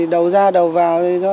đầu ra đầu vào